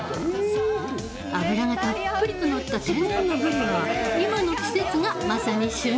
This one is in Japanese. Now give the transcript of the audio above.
脂がたっぷりとのった天然のブリは今の季節が、まさに旬。